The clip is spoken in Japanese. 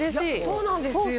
そうなんですよ。